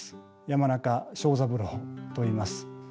山中章三郎といいます。